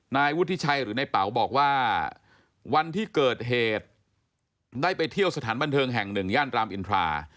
นายวุฒิชัยหรือในเป๋าบอกว่าวันที่เกิดเหตุได้ไปเที่ยวสถานบันเทิงแห่งหนึ่งย่านรามอินทรา